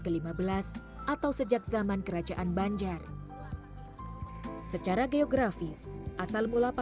mempertimbangkan petaraan yang terhukum di mana saja